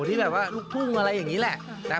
ที่แบบว่าลูกทุ่งอะไรอย่างนี้แหละ